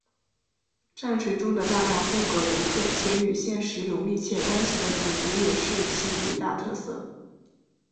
战锤中大量风格独特且与现实有密切关联的种族也是其一大特色。